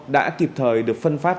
đã kịp thời được phân phát